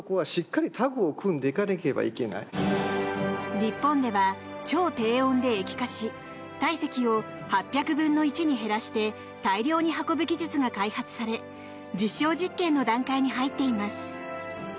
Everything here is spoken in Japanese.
日本では、超低温で液化し体積を８００分の１に減らして大量に運ぶ技術が開発され実証実験の段階に入っています。